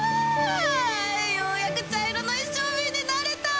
ようやく茶色の一升びんになれた！